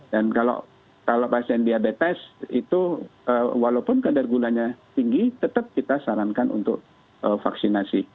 dan kalau pasien diabetes itu walaupun kadar gulanya tinggi tetap kita sarankan untuk vaksinasi